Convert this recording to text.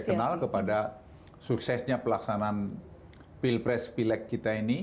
saya kenal kepada suksesnya pelaksanaan pilpres pilek kita ini